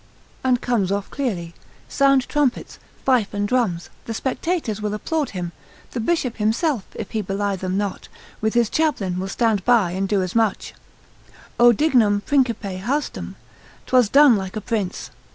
and comes off clearly, sound trumpets, fife and drums, the spectators will applaud him, the bishop himself (if he belie them not) with his chaplain will stand by and do as much, O dignum principe haustum, 'twas done like a prince.